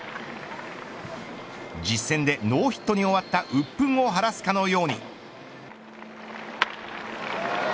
実戦でノーヒットに終わった鬱憤を晴らすかのように。